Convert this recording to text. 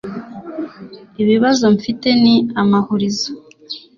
ibibazo mfite ni amahurizo